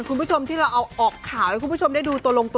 คุณผู้ชมที่เราเอาออกข่าวให้คุณผู้ชมได้ดูตัวลงตัว